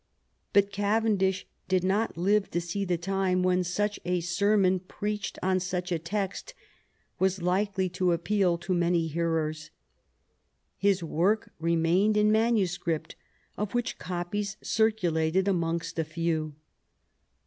But Cavendish did not live to see the time when such a sermon, preached on such a text, was likely to appeal to many hearers. His work remained in manuscript, of which copies circulated amongst a few.